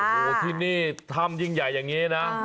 โอ้โหที่นี่ถ้ำยิ่งใหญ่อย่างนี้นะ